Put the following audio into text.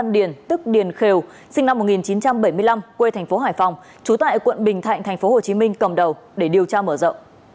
điền khều sinh năm một nghìn chín trăm bảy mươi năm quê thành phố hải phòng trú tại quận bình thạnh thành phố hồ chí minh cầm đầu để điều tra mở rợ